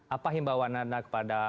apa yang ingin bawa anda kepada